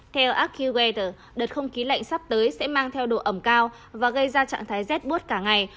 theo accuwater đợt không khí lạnh sắp tới sẽ mang theo độ ẩm cao và gây ra trạng thái rét buốt cả ngày